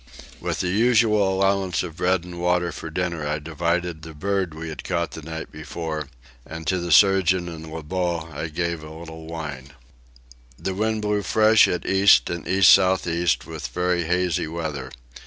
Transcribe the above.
With the usual allowance of bread and water for dinner I divided the bird we had caught the night before, and to the surgeon and Lebogue I gave a little wine. The wind blew fresh at east and east south east with very hazy weather.